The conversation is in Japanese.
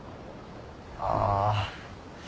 ああ。